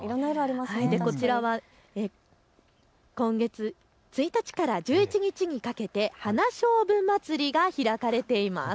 こちらは今月１日から１１日にかけて花しょうぶ祭りが開かれています。